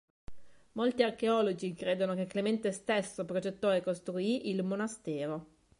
Molti archeologi credono che Clemente stesso progettò e costruì il monastero.